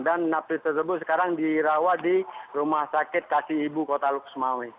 dan napi tersebut sekarang dirawat di rumah sakit kasih ibu kota lukus sumawwe